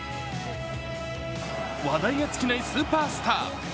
話題が尽きないスーパースター。